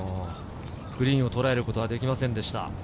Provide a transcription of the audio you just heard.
グリーンをとらえることはできませんでした。